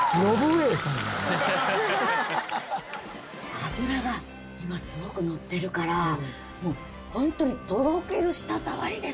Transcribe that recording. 脂が今すごくのってるからもうホントにとろける舌触りですよね。